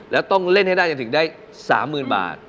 แล้วต้องเล่นให้ได้จนถึงได้๓๐๐๐บาท